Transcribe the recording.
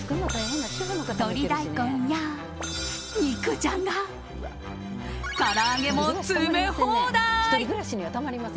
鶏大根や、肉じゃがから揚げも詰め放題。